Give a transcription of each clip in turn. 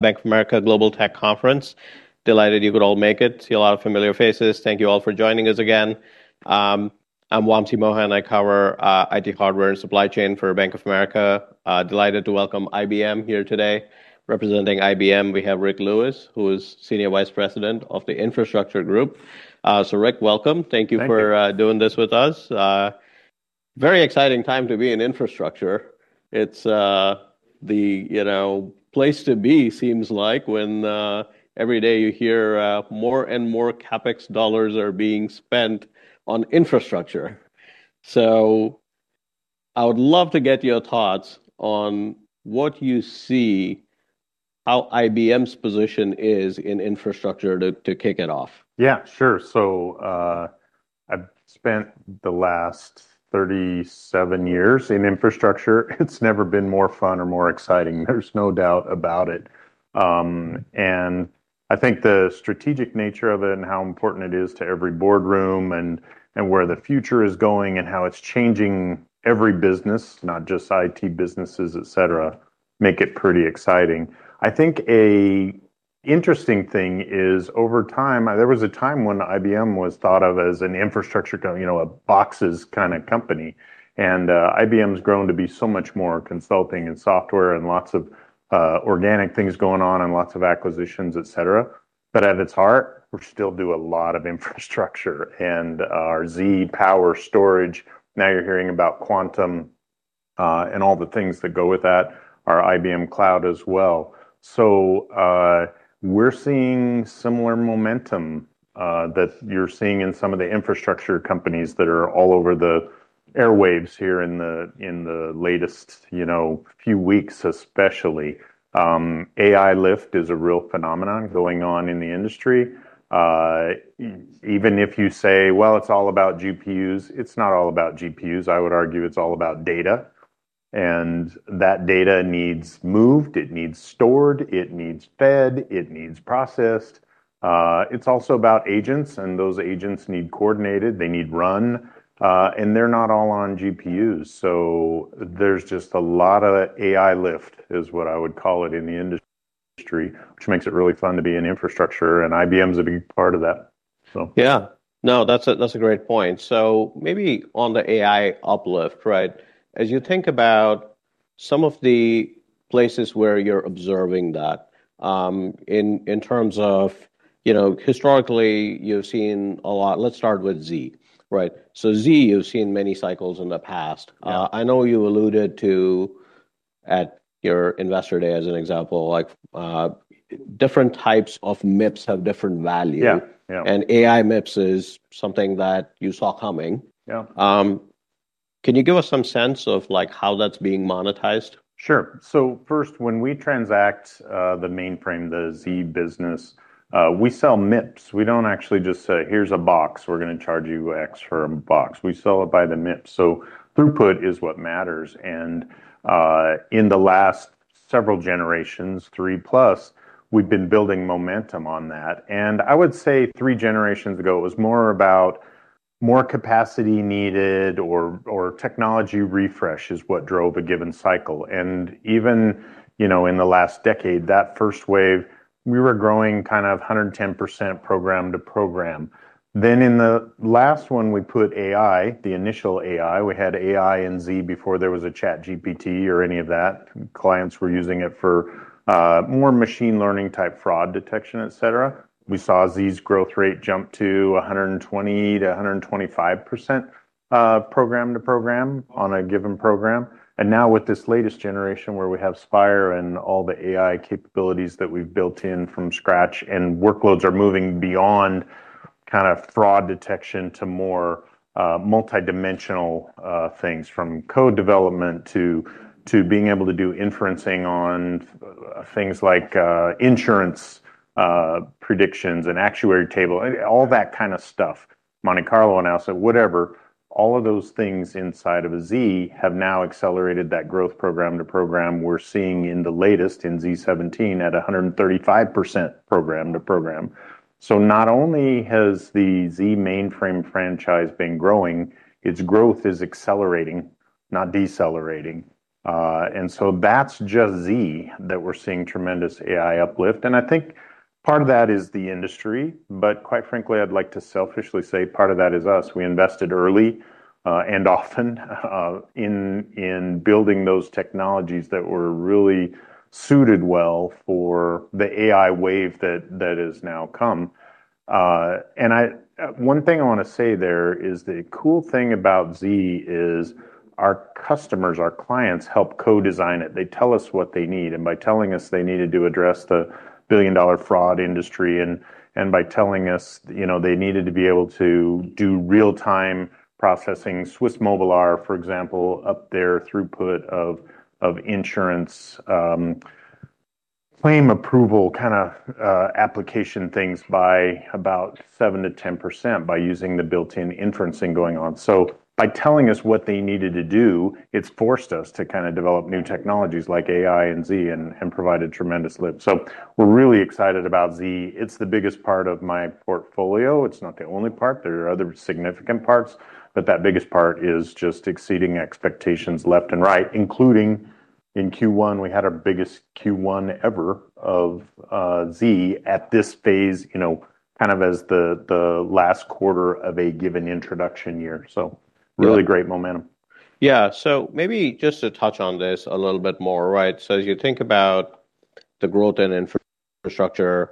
Bank of America Global Tech Conference. Delighted you could all make it. See a lot of familiar faces. Thank you all for joining us again. I'm Wamsi Mohan. I cover IT hardware and supply chain for Bank of America. Delighted to welcome IBM here today. Representing IBM, we have Ric Lewis, who is Senior Vice President of the IBM Infrastructure. Rick, welcome. Thank you. Thank you for doing this with us. Very exciting time to be in infrastructure. It's the place to be, seems like, when every day you hear more and more CapEx dollars are being spent on infrastructure. I would love to get your thoughts on what you see how IBM's position is in infrastructure to kick it off. Yeah, sure. I've spent the last 37 years in infrastructure. It's never been more fun or more exciting, there's no doubt about it. I think a interesting thing is over time, there was a time when IBM was thought of as an infrastructure, a boxes kind of company. IBM's grown to be so much more consulting and software and lots of organic things going on and lots of acquisitions, et cetera. At its heart, we still do a lot of infrastructure and our Z power storage, now you're hearing about quantum, and all the things that go with that, our IBM Cloud as well. We're seeing similar momentum that you're seeing in some of the infrastructure companies that are all over the airwaves here in the latest few weeks especially. AI lift is a real phenomenon going on in the industry. Even if you say, well, it's all about GPUs, it's not all about GPUs. I would argue it's all about data, and that data needs moved, it needs stored, it needs fed, it needs processed. It's also about agents, and those agents need coordinated, they need run. They're not all on GPUs. There's just a lot of AI lift is what I would call it in the industry, which makes it really fun to be in infrastructure, and IBM's a big part of that. Yeah. No, that's a great point. Maybe on the AI uplift, right? As you think about some of the places where you're observing that, in terms of historically, you've seen a lot, let's start with Z, right? Z, you've seen many cycles in the past. Yeah. I know you alluded to, at your Investor Day as an example, different types of MIPS have different value. Yeah. AI MIPS is something that you saw coming. Yeah. Can you give us some sense of how that's being monetized? Sure. First, when we transact the mainframe, the Z business, we sell MIPS. We don't actually just say, "Here's a box. We're going to charge you X for a box." We sell it by the MIPS. Throughput is what matters. In the last several generations, three plus, we've been building momentum on that. I would say three generations ago, it was more about more capacity needed or technology refresh is what drove a given cycle. Even in the last decade, that first wave, we were growing 110% program to program. In the last one, we put AI, the initial AI. We had AI and Z before there was a ChatGPT or any of that. Clients were using it for more machine learning type fraud detection, et cetera. We saw Z's growth rate jump to 120%-125% program to program on a given program. Now with this latest generation where we have Spire and all the AI capabilities that we've built in from scratch, workloads are moving beyond fraud detection to more multi-dimensional things, from code development to being able to do inferencing on things like insurance predictions and actuary table, all that kind of stuff. Monte Carlo analysis, whatever, all of those things inside of a Z have now accelerated that growth program to program we're seeing in the latest in z17 at 135% program to program. Not only has the Z mainframe franchise been growing, its growth is accelerating, not decelerating. That's just Z that we're seeing tremendous AI uplift. I think part of that is the industry. Quite frankly, I'd like to selfishly say part of that is us. We invested early and often in building those technologies that were really suited well for the AI wave that has now come. One thing I want to say there is the cool thing about Z is our customers, our clients help co-design it. They tell us what they need, by telling us they needed to address the billion-dollar fraud industry, by telling us they needed to be able to do real-time processing. Swisscom are, for example, up their throughput of insurance claim approval application things by about 7%-10% by using the built-in inferencing going on. By telling us what they needed to do, it's forced us to develop new technologies like AI and Z and provided tremendous lift. We're really excited about Z. It's the biggest part of my portfolio. It's not the only part. There are other significant parts, that biggest part is just exceeding expectations left and right, including In Q1, we had our biggest Q1 ever of Z at this phase, kind of as the last quarter of a given introduction year. Yeah really great momentum. Yeah. Maybe just to touch on this a little bit more, right? As you think about the growth in infrastructure,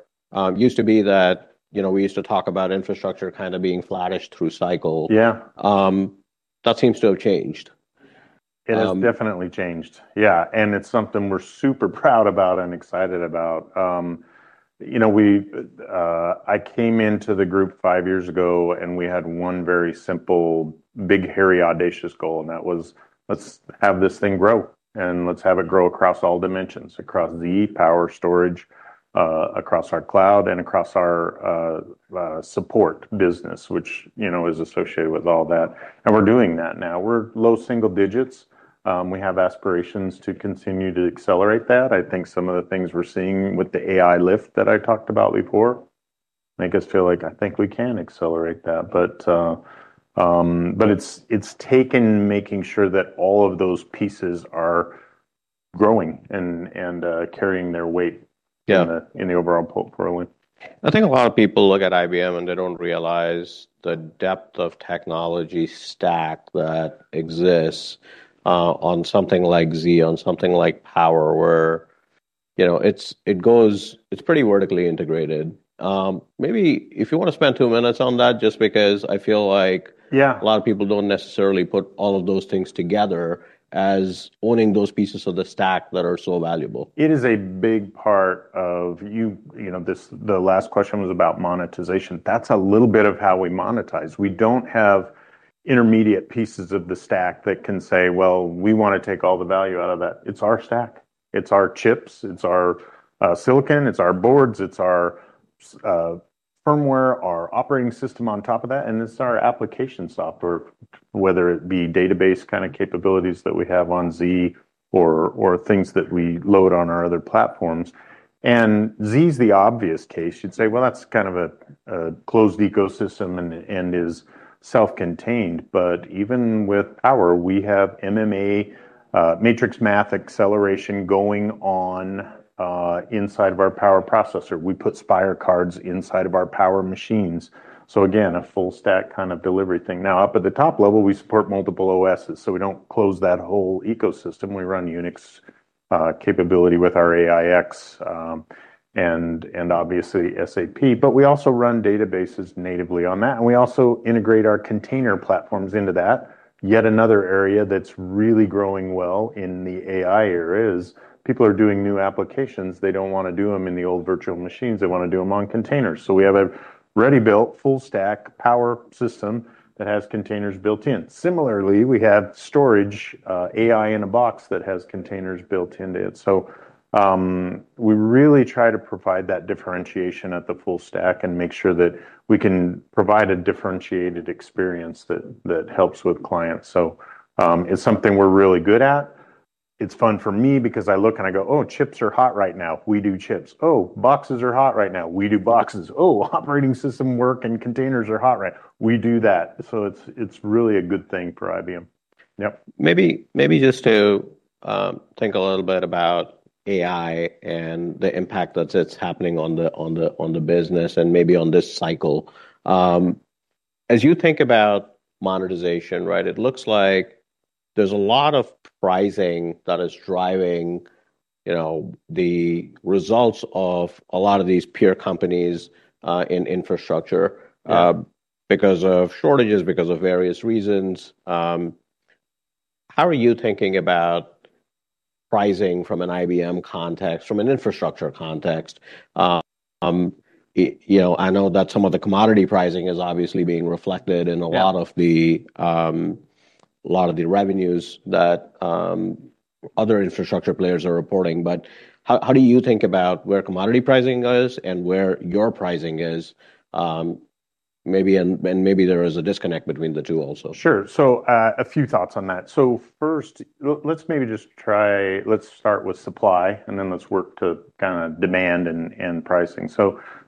used to be that we used to talk about infrastructure kind of being flattish through cycle. Yeah. That seems to have changed. It has definitely changed. Yeah. It's something we're super proud about and excited about. I came into the group 5 years ago, and we had one very simple, big, hairy, audacious goal, and that was, let's have this thing grow. Let's have it grow across all dimensions, across IBM Z, IBM Power, Storage, across our IBM Cloud, and across our support business, which is associated with all that. We're doing that now. We're low single digits. We have aspirations to continue to accelerate that. I think some of the things we're seeing with the AI lift that I talked about before make us feel like I think we can accelerate that. It's taken making sure that all of those pieces are growing and carrying their weight Yeah in the overall pool for a win. I think a lot of people look at IBM, and they don't realize the depth of technology stack that exists on something like IBM Z, on something like IBM Power, where it's pretty vertically integrated. Maybe if you want to spend 2 minutes on that, just because I feel like Yeah a lot of people don't necessarily put all of those things together as owning those pieces of the stack that are so valuable. It is a big part of. The last question was about monetization. That's a little bit of how we monetize. We don't have intermediate pieces of the stack that can say, "Well, we want to take all the value out of that." It's our stack. It's our chips. It's our silicon. It's our boards. It's our firmware, our operating system on top of that, and it's our application software, whether it be database kind of capabilities that we have on Z or things that we load on our other platforms. Z's the obvious case. You'd say, "Well, that's kind of a closed ecosystem and is self-contained." Even with Power, we have MMA, matrix math acceleration, going on inside of our Power processor. We put Spyre cards inside of our Power machines. Again, a full stack kind of delivery thing. Up at the top level, we support multiple OSs, so we don't close that whole ecosystem. We run Unix capability with our AIX, and obviously SAP. We also run databases natively on that, and we also integrate our container platforms into that. Yet another area that's really growing well in the AI era is people are doing new applications. They don't want to do them in the old virtual machines. They want to do them on containers. We have a ready-built full stack Power system that has containers built in. Similarly, we have storage AI in a box that has containers built into it. We really try to provide that differentiation at the full stack and make sure that we can provide a differentiated experience that helps with clients. It's something we're really good at. It's fun for me because I look and I go, "Oh, chips are hot right now. We do chips. Oh, boxes are hot right now. We do boxes. Oh, operating system work and containers are hot, right? We do that." It's really a good thing for IBM. Yep. Maybe just to think a little bit about AI and the impact that it's happening on the business and maybe on this cycle. As you think about monetization, right, it looks like there's a lot of pricing that is driving the results of a lot of these peer companies in infrastructure- Yeah because of shortages, because of various reasons. How are you thinking about pricing from an IBM context, from an infrastructure context? I know that some of the commodity pricing is obviously being reflected in a lot of the revenues that other infrastructure players are reporting. How do you think about where commodity pricing is and where your pricing is? Maybe there is a disconnect between the two also. Sure. A few thoughts on that. First, let's start with supply, and then let's work to demand and pricing.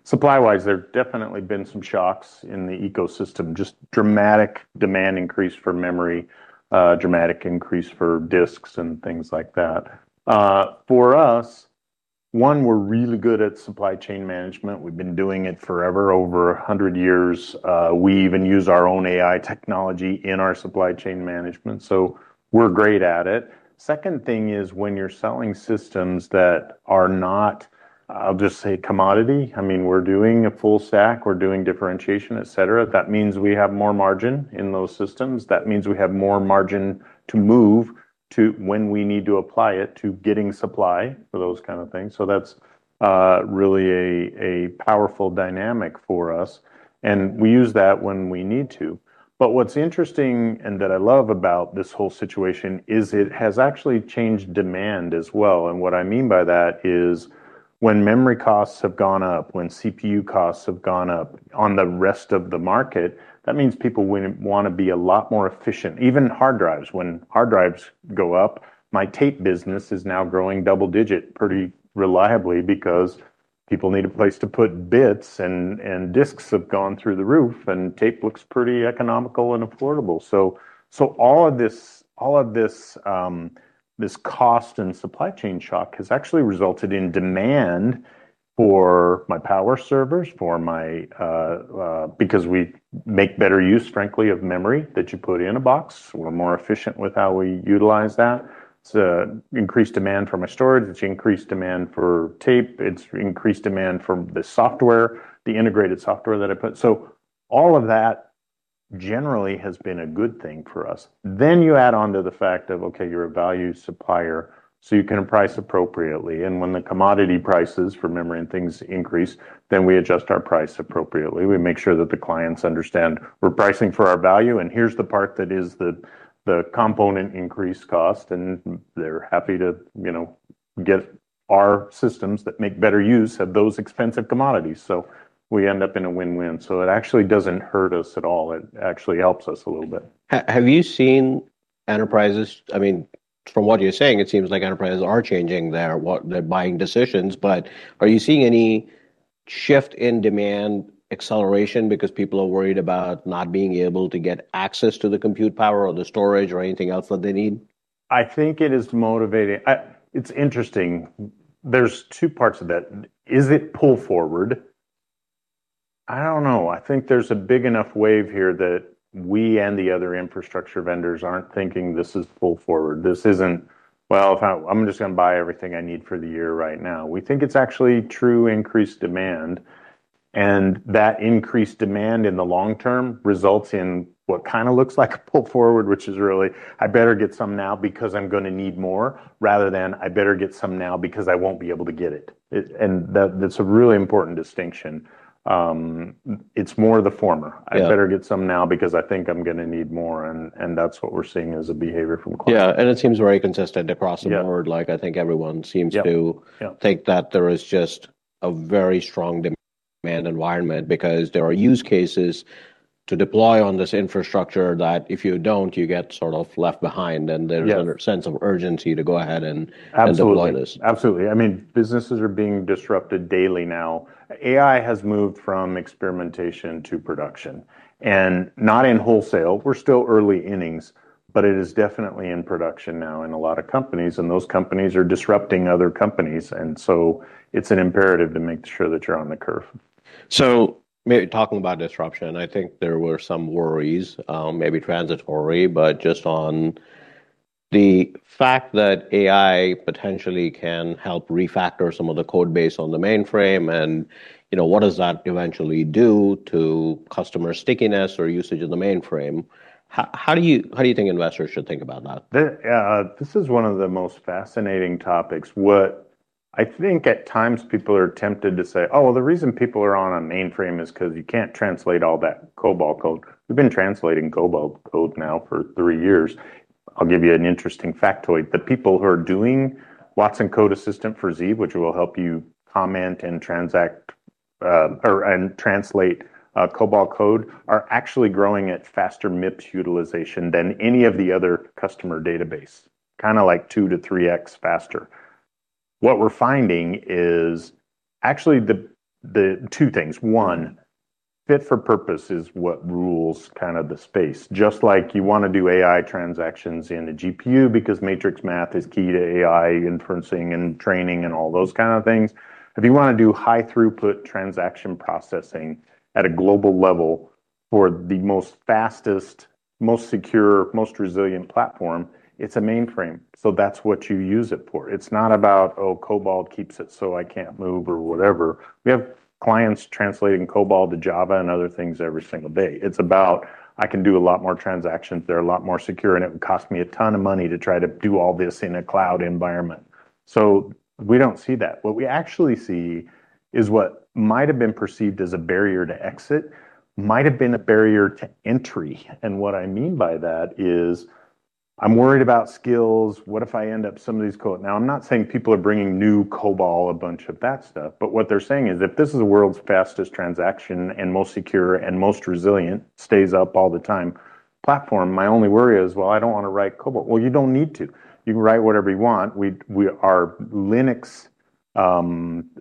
Supply-wise, there have definitely been some shocks in the ecosystem, just dramatic demand increase for memory, dramatic increase for disks and things like that. For us, one, we're really good at supply chain management. We've been doing it forever, over 100 years. We even use our own AI technology in our supply chain management, so we're great at it. Second thing is when you're selling systems that are not, I'll just say commodity, we're doing a full stack, we're doing differentiation, et cetera. That means we have more margin in those systems. That means we have more margin to move to when we need to apply it to getting supply for those kind of things. That's really a powerful dynamic for us, and we use that when we need to. What's interesting and that I love about this whole situation is it has actually changed demand as well. What I mean by that is when memory costs have gone up, when CPU costs have gone up on the rest of the market, that means people want to be a lot more efficient. Even hard drives. When hard drives go up, my tape business is now growing double-digit pretty reliably because people need a place to put bits and disks have gone through the roof, and tape looks pretty economical and affordable. All of this cost and supply chain shock has actually resulted in demand for my power servers, because we make better use, frankly, of memory that you put in a box. We're more efficient with how we utilize that. It's increased demand for my storage, it's increased demand for tape, it's increased demand for the software, the integrated software that I put. All of that generally has been a good thing for us. You add on to the fact of, okay, you're a value supplier, so you can price appropriately. When the commodity prices for memory and things increase, we adjust our price appropriately. We make sure that the clients understand we're pricing for our value, and here's the part that is the component increase cost, and they're happy to get our systems that make better use of those expensive commodities. We end up in a win-win. It actually doesn't hurt us at all. It actually helps us a little bit. Have you seen From what you're saying, it seems like enterprises are changing their buying decisions. Are you seeing any shift in demand acceleration because people are worried about not being able to get access to the compute power or the storage or anything else that they need? I think it is motivating. It's interesting. There's two parts of that. Is it pull forward? I don't know. I think there's a big enough wave here that we and the other infrastructure vendors aren't thinking this is pull forward. This isn't, "Well, I'm just going to buy everything I need for the year right now." We think it's actually true increased demand, and that increased demand in the long term results in what kind of looks like a pull forward, which is really, I better get some now because I'm going to need more, rather than I better get some now because I won't be able to get it. That's a really important distinction. It's more the former. Yeah. I better get some now because I think I'm going to need more, that's what we're seeing as a behavior from clients. Yeah, it seems very consistent across the board. Yeah. I think everyone seems Yeah think that there is just a very strong demand environment because there are use cases to deploy on this infrastructure that if you don't, you get sort of left behind, and Yeah a sense of urgency to go ahead and deploy this. Absolutely. Businesses are being disrupted daily now. AI has moved from experimentation to production, and not in wholesale. We're still early innings, but it is definitely in production now in a lot of companies, and those companies are disrupting other companies, and so it's an imperative to make sure that you're on the curve. Talking about disruption, I think there were some worries, maybe transitory, but just on the fact that AI potentially can help refactor some of the code base on the mainframe, and what does that eventually do to customer stickiness or usage of the mainframe? How do you think investors should think about that? This is one of the most fascinating topics. What I think at times people are tempted to say, "Oh, well, the reason people are on a mainframe is because you can't translate all that COBOL code." We've been translating COBOL code now for three years. I'll give you an interesting factoid. The people who are doing watsonx Code Assistant for Z, which will help you comment and translate COBOL code, are actually growing at faster MIPS utilization than any of the other customer database. Kind of like 2x-3x faster. What we're finding is actually two things. One, fit for purpose is what rules the space. Just like you want to do AI transactions in a GPU because matrix math is key to AI inferencing and training and all those kind of things. If you want to do high throughput transaction processing at a global level for the most fastest, most secure, most resilient platform, it's a mainframe. That's what you use it for. It's not about, oh, COBOL keeps it so I can't move or whatever. We have clients translating COBOL to Java and other things every single day. It's about, I can do a lot more transactions. They're a lot more secure, and it would cost me a ton of money to try to do all this in a cloud environment. We don't see that. What we actually see is what might've been perceived as a barrier to exit might have been a barrier to entry. What I mean by that is, I'm worried about skills. What if I end up some of these code. Now, I'm not saying people are bringing new COBOL, a bunch of that stuff. What they're saying is, if this is the world's fastest transaction and most secure and most resilient, stays up all the time platform, my only worry is, well, I don't want to write COBOL. Well, you don't need to. You can write whatever you want. Our Linux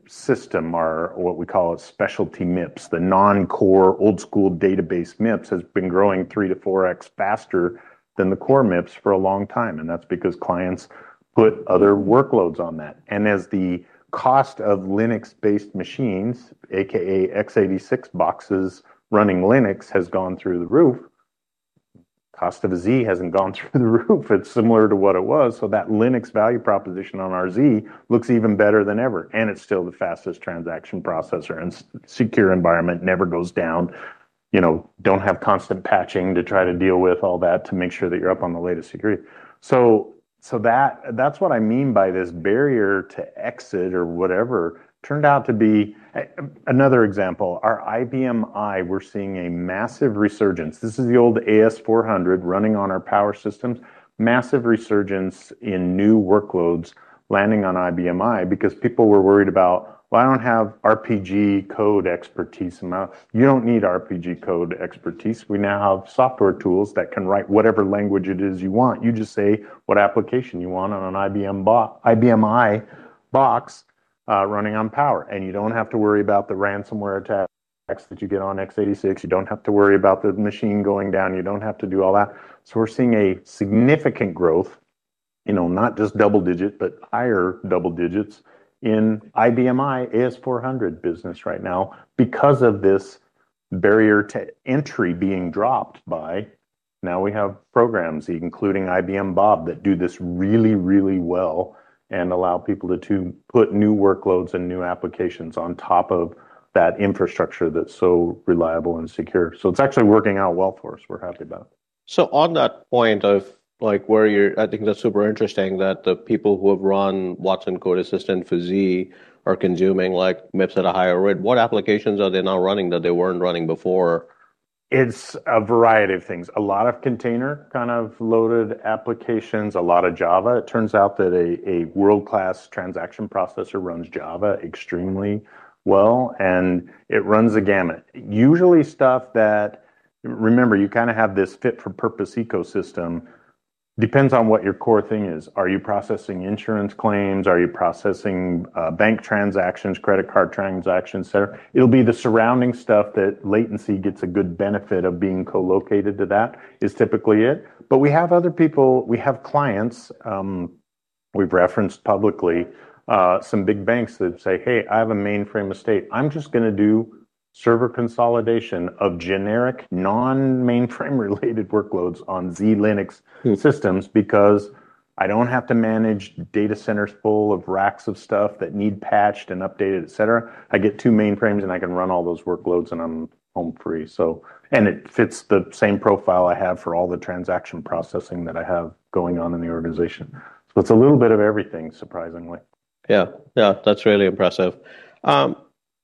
system, our what we call a specialty MIPS, the non-core old school database MIPS has been growing 3x-4x faster than the core MIPS for a long time, and that's because clients put other workloads on that. As the cost of Linux-based machines, AKA X86 boxes running Linux, has gone through the roof, cost of an IBM Z hasn't gone through the roof. It's similar to what it was, that Linux value proposition on our Z looks even better than ever, and it's still the fastest transaction processor and secure environment, never goes down. Don't have constant patching to try to deal with all that to make sure that you're up on the latest security. That's what I mean by this barrier to exit or whatever turned out to be. Another example, our IBM i, we're seeing a massive resurgence. This is the old AS/400 running on our power systems. Massive resurgence in new workloads landing on IBM i because people were worried about, well, I don't have RPG code expertise. You don't need RPG code expertise. We now have software tools that can write whatever language it is you want. You just say what application you want on an IBM i box running on Power, and you don't have to worry about the ransomware attack X that you get on X86. You don't have to worry about the machine going down. You don't have to do all that. We're seeing a significant growth, not just double digit, but higher double digits in IBM i AS/400 business right now because of this barrier to entry being dropped by. Now we have programs, including IBM Bob, that do this really, really well and allow people to put new workloads and new applications on top of that infrastructure that's so reliable and secure. It's actually working out well for us. We're happy about it. On that point, I think that's super interesting that the people who have run watsonx Code Assistant for Z are consuming MIPS at a higher rate. What applications are they now running that they weren't running before? It's a variety of things. A lot of container kind of loaded applications, a lot of Java. It turns out that a world-class transaction processor runs Java extremely well, and it runs a gamut. Usually stuff that. Remember, you have this fit-for-purpose ecosystem, depends on what your core thing is. Are you processing insurance claims? Are you processing bank transactions, credit card transactions, et cetera? It'll be the surrounding stuff that latency gets a good benefit of being co-located to that is typically it. We have other people, we have clients, we've referenced publicly, some big banks that say, "Hey, I have a mainframe estate. I'm just going to do server consolidation of generic non-mainframe related workloads on z/Linux systems because I don't have to manage data centers full of racks of stuff that need patched and updated, et cetera. I get two mainframes and I can run all those workloads and I'm home free. It fits the same profile I have for all the transaction processing that I have going on in the organization. It's a little bit of everything, surprisingly. Yeah. That's really impressive.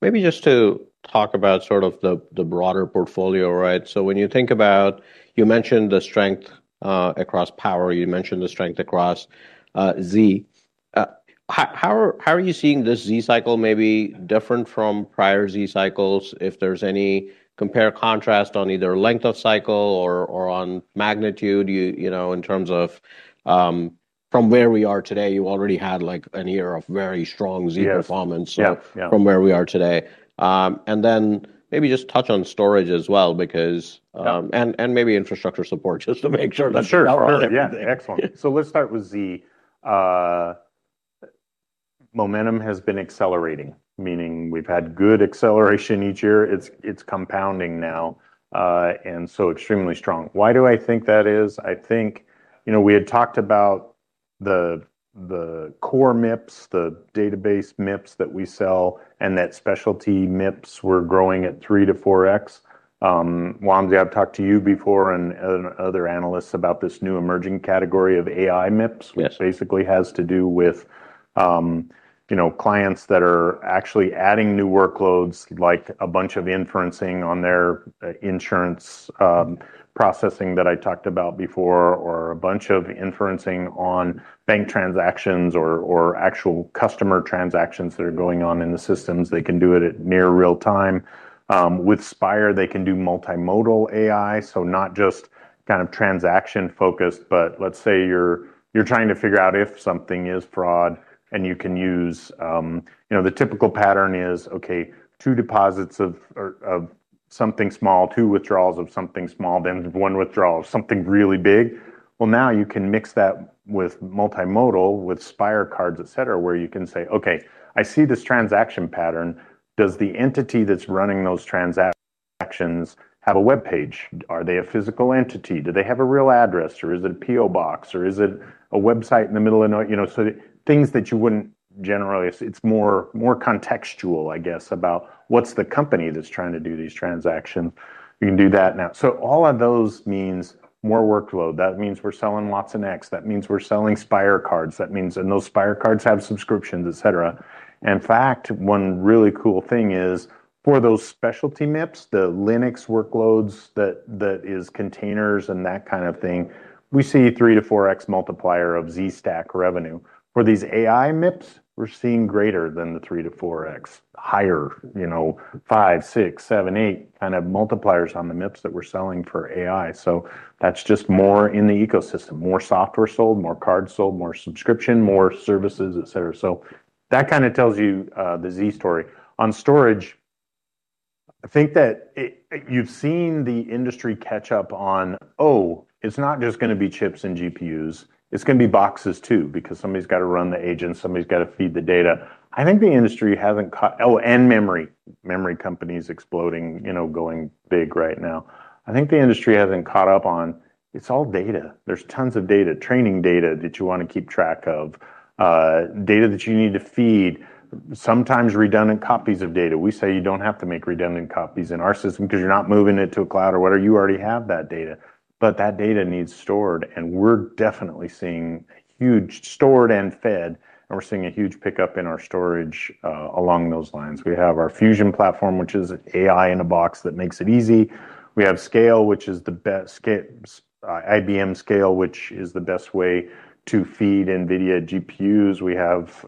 Maybe just to talk about the broader portfolio, right? When you think about, you mentioned the strength across IBM Power, you mentioned the strength across IBM Z. How are you seeing this IBM Z cycle may be different from prior IBM Z cycles, if there's any compare contrast on either length of cycle or on magnitude, in terms of from where we are today, you already had a year of very strong IBM Z performance. Yes. Yeah. from where we are today. Then maybe just touch on storage as well because. Yeah maybe infrastructure support just to make sure that Sure. Yeah. Excellent. Let's start with Z. Momentum has been accelerating, meaning we've had good acceleration each year. It's compounding now. Extremely strong. Why do I think that is? I think, we had talked about the core MIPS, the database MIPS that we sell, and that specialty MIPS were growing at 3 to 4x. Wang, I've talked to you before and other analysts about this new emerging category of AI MIPS Yes which basically has to do with clients that are actually adding new workloads, like a bunch of inferencing on their insurance processing that I talked about before, or a bunch of inferencing on bank transactions or actual customer transactions that are going on in the systems. They can do it at near real time. With Spyre, they can do multimodal AI, so not just transaction-focused. Let's say you're trying to figure out if something is fraud and you can use the typical pattern is, okay, two deposits of something small, two withdrawals of something small, then one withdrawal of something really big. Well, now you can mix that with multimodal, with Spyre cards, et cetera, where you can say, "Okay, I see this transaction pattern. Does the entity that's running those transactions have a webpage? Are they a physical entity? Do they have a real address, or is it a PO box, or is it a website in the middle of?" Things that you wouldn't generally, it's more contextual, I guess, about what's the company that's trying to do these transactions. You can do that now. All of those means more workload. That means we're selling lots of X, that means we're selling Spyre cards. That means, and those Spyre cards have subscriptions, et cetera. In fact, one really cool thing is for those specialty MIPS, the Linux workloads that is containers and that kind of thing, we see 3 to 4x multiplier of Z stack revenue. For these AI MIPS, we're seeing greater than the 3 to 4x. Higher five, six, seven, eight kind of multipliers on the MIPS that we're selling for AI. That's just more in the ecosystem, more software sold, more cards sold, more subscription, more services, et cetera. That kind of tells you the Z story. On storage, I think that you've seen the industry catch up on, oh, it's not just going to be chips and GPUs, it's going to be boxes, too, because somebody's got to run the agent, somebody's got to feed the data. Oh, and memory. Memory companies exploding, going big right now. I think the industry hasn't caught up on it's all data. There's tons of data, training data that you want to keep track of, data that you need to feed, sometimes redundant copies of data. We say you don't have to make redundant copies in our system because you're not moving it to a cloud or whatever. You already have that data. That data needs stored, and we're definitely seeing huge stored and fed, and we're seeing a huge pickup in our storage along those lines. We have our IBM Fusion platform, which is AI in a box that makes it easy. We have IBM Spectrum Scale, which is the best way to feed NVIDIA GPUs. We have,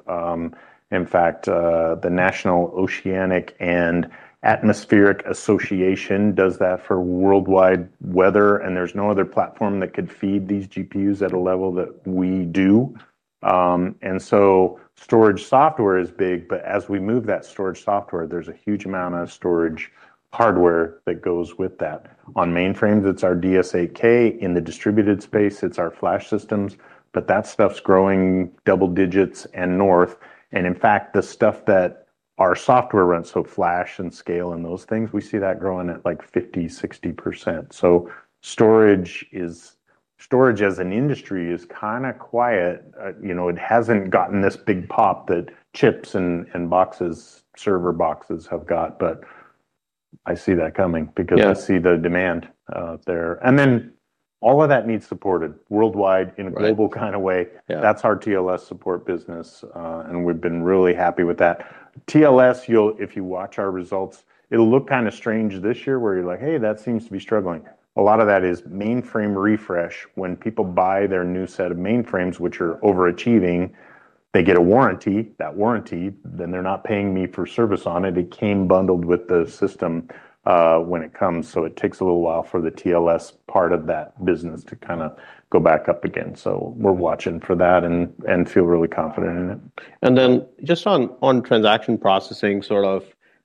in fact, the National Oceanic and Atmospheric Administration does that for worldwide weather, and there's no other platform that could feed these GPUs at a level that we do. Storage software is big, but as we move that storage software, there's a huge amount of storage hardware that goes with that. On mainframes, it's our DS8K. In the distributed space, it's our flash systems. That stuff's growing double digits and north. In fact, the stuff that our software runs, so flash and scale and those things, we see that growing at 50%, 60%. Storage as an industry is kind of quiet. It hasn't gotten this big pop that chips and server boxes have got. I see that coming because I see the demand there. All of that needs supported worldwide in a global way. Yeah. That's our TLS support business, and we've been really happy with that. TLS, if you watch our results, it'll look strange this year where you're like, "Hey, that seems to be struggling." A lot of that is mainframe refresh. When people buy their new set of mainframes, which are overachieving, they get a warranty. That warranty, then they're not paying me for service on it. It came bundled with the system when it comes. It takes a little while for the TLS part of that business to go back up again. We're watching for that and feel really confident in it. Just on transaction processing.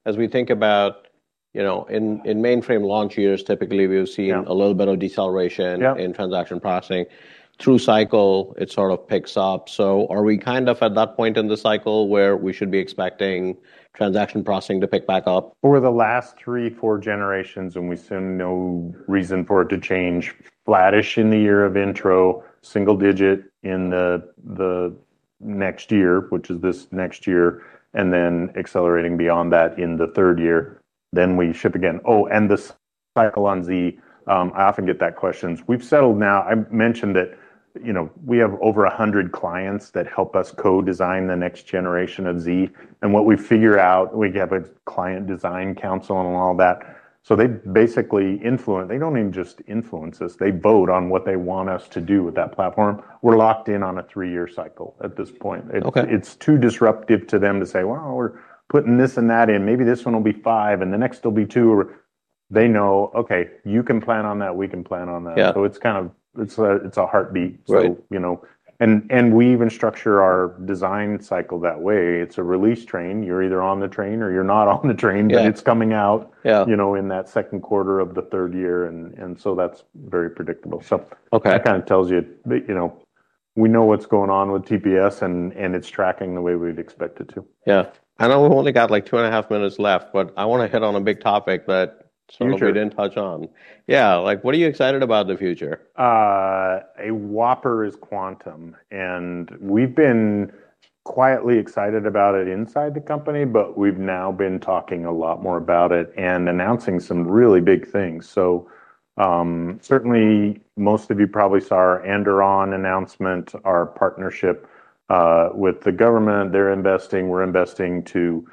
As we think about in mainframe launch years, typically we've seen a little bit of deceleration. Yeah In transaction processing. Through cycle, it sort of picks up. Are we at that point in the cycle where we should be expecting transaction processing to pick back up? For the last 3, 4 generations, and we see no reason for it to change. Flattish in the year of intro, single-digit in the next year, which is this next year, and then accelerating beyond that in the 3rd year, then we ship again. The cycle on Z. I often get that question. We've settled now. I mentioned it. We have over 100 clients that help us co-design the next generation of Z, and what we figure out, we have a client design council and all that. They don't even just influence us. They vote on what they want us to do with that platform. We're locked in on a 3-year cycle at this point. Okay. It's too disruptive to them to say, "Well, we're putting this and that in. Maybe this one will be 5, and the next will be 2." They know, okay, you can plan on that. We can plan on that. Yeah. It's a heartbeat. Right. We even structure our design cycle that way. It's a release train. You're either on the train or you're not on the train. Yeah. It's coming out in that second quarter of the third year, that's very predictable. Okay. That tells you we know what's going on with TPS, and it's tracking the way we'd expect it to. Yeah. I know we've only got two and a half minutes left, I want to hit on a big topic that- Future we didn't touch on. Yeah. What are you excited about in the future? A whopper is Quantum, and we've been quietly excited about it inside the company, but we've now been talking a lot more about it and announcing some really big things. Certainly most of you probably saw our Anduril announcement, our partnership with the government. They're investing, we're investing to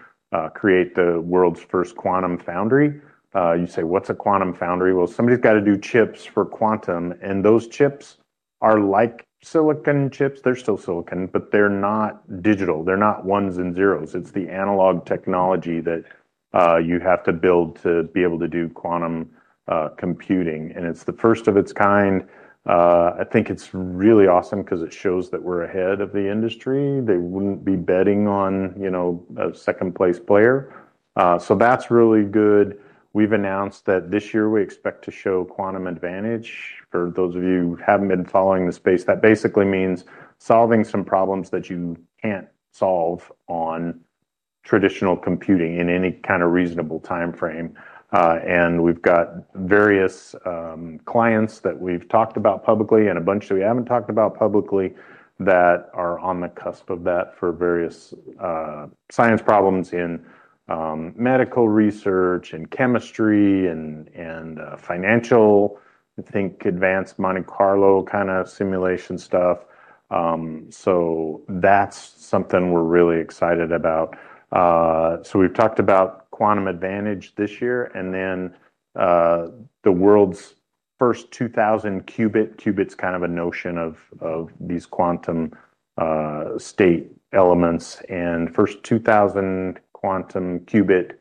create the world's first quantum foundry. You say, "What's a quantum foundry?" Well, somebody's got to do chips for Quantum, and those chips are like silicon chips. They're still silicon, but they're not digital. They're not ones and zeros. It's the analog technology that you have to build to be able to do quantum computing, and it's the first of its kind. I think it's really awesome because it shows that we're ahead of the industry. They wouldn't be betting on a second-place player. That's really good. We've announced that this year we expect to show quantum advantage. For those of you who haven't been following the space, that basically means solving some problems that you can't solve on traditional computing in any reasonable timeframe. We've got various clients that we've talked about publicly and a bunch that we haven't talked about publicly that are on the cusp of that for various science problems in medical research, in chemistry, and financial, I think, advanced Monte Carlo simulation stuff. That's something we're really excited about. We've talked about quantum advantage this year, and then the world's first 2,000 qubit. Qubit is a notion of these quantum state elements, and first 2,000 quantum qubit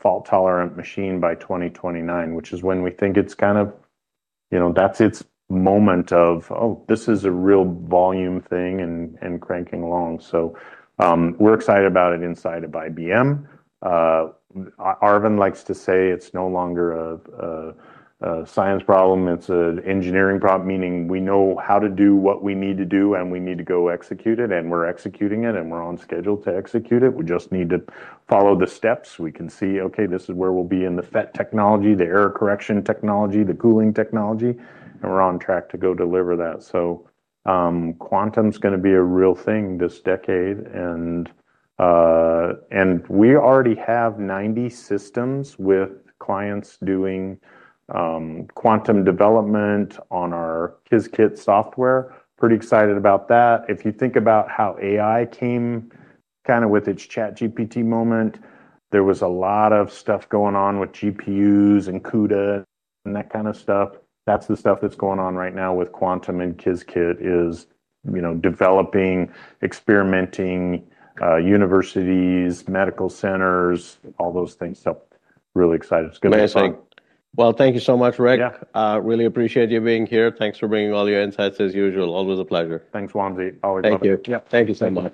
fault-tolerant machine by 2029, which is when we think that's its moment of, oh, this is a real volume thing and cranking along. We're excited about it inside of IBM. Arvind likes to say it's no longer a science problem. It's an engineering problem, meaning we know how to do what we need to do, and we need to go execute it, and we're executing it, and we're on schedule to execute it. We just need to follow the steps. We can see, okay, this is where we'll be in the FET technology, the error correction technology, the cooling technology, and we're on track to go deliver that. Quantum is going to be a real thing this decade. We already have 90 systems with clients doing quantum development on our Qiskit software. Pretty excited about that. If you think about how AI came with its ChatGPT moment, there was a lot of stuff going on with GPUs and CUDA and that kind of stuff. That's the stuff that's going on right now with quantum and Qiskit is developing, experimenting, universities, medical centers, all those things. Really excited. It's going to be fun. Amazing. Thank you so much, Ric. Yeah. Really appreciate you being here. Thanks for bringing all your insights as usual. Always a pleasure. Thanks, Vamsee. Always a pleasure. Thank you. Yeah. Thank you so much.